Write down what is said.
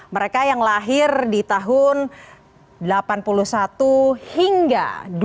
mereka yang lahir di tahun seribu sembilan ratus delapan puluh satu hingga dua ribu dua